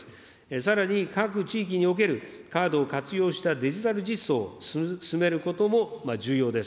さらに、各地域におけるカードを活用したデジタル実装を進めることも重要です。